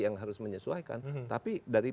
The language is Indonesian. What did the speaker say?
yang harus menyesuaikan tapi dari